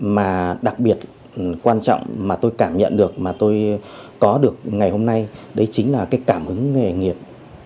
mà đặc biệt quan trọng mà tôi cảm nhận được mà tôi có được ngày hôm nay đấy chính là cái cảm hứng nghề nghiệp